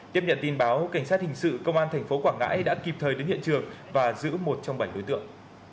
tiếp nhận tin báo cảnh sát hình sự công an tp quảng ngãi đã kịp thời đến hiện trường và giữ một trong bảy đối tượng